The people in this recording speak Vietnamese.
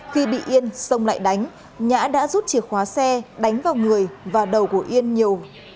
khi bị yên sông lại đánh nhã đã rút chìa khóa xe đánh vào người và đầu của yên nhiều